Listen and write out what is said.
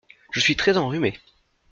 Je suis très enrhumée.